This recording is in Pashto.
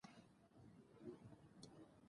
ډونالډ ټرمپ او ويلاديمير پوتين سره وليدل.